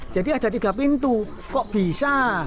jadi ada tiga pintu kok bisa